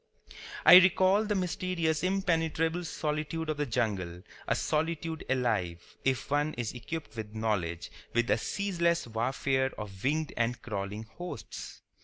I recall the mysterious impenetrable solitude of the jungle, a solitude alive, if one is equipped with knowledge, with a ceaseless warfare of winged and crawling hosts.